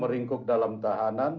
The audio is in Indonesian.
mengingkuk dalam tahanan